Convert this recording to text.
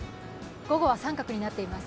午後は△になっています。